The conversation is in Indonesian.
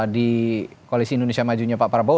di koalisi indonesia majunya pak prabowo